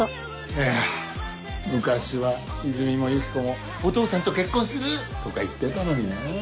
いや昔はイズミもユキコも「お父さんと結婚する！」とか言ってたのになぁ。